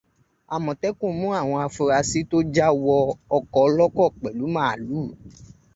Àmọ̀tẹ́kùn mú àwọn afurasí tó já wọ oko olóko pẹ̀lú màálù.